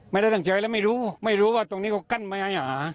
ไม่ได้ตั้งใจแล้วไม่รู้ไม่รู้ว่าตรงนี้เขากั้นไว้ให้หา